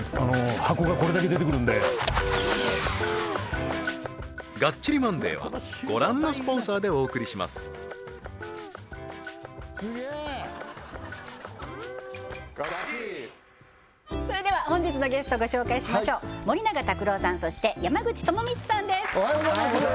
箱がこれだけ出てくるんで本日のゲストご紹介しましょう森永卓郎さんそして山口智充さんですおはようございます！